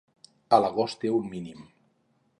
A l'agost té un mínim.